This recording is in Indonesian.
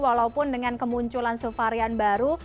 walaupun dengan kemunculan suvarian baru